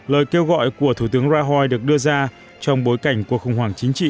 lời kêu gọi của thủ tướng rahoi được đưa ra trong bối cảnh cuộc khủng hoảng chính trị